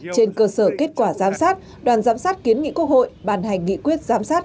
trên cơ sở kết quả giám sát đoàn giám sát kiến nghị quốc hội bàn hành nghị quyết giám sát